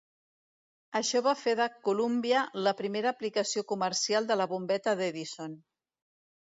Això va fer de "Columbia" la primera aplicació comercial de la bombeta d'Edison.